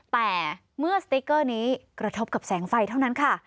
แต่เมื่อสติ๊กเกอร์นี้กระทบกับแสงไฟเท่านั้นค่ะ